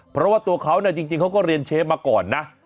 เพราะว่าตัวเขาจริงเขาก็เรียนเชฟมาก่อนนะ